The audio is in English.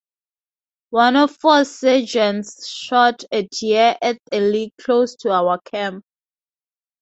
One of our sergeants shot a deer at a lick close to our camp.